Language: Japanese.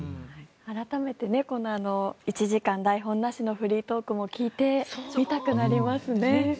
改めて１時間台本なしのフリートークも聞いてみたくなりますね。